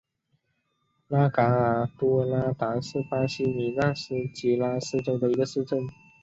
拉戈阿多拉达是巴西米纳斯吉拉斯州的一个市镇。